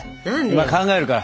今考えるから。